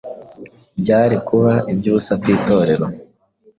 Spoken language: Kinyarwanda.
Byari kuba iby’ubusa ku Itorero